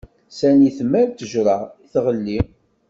Sani tmal ttejṛa i tɣelli.